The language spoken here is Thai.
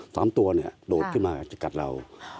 สามตัวโดดขึ้นมาจะกัดเรา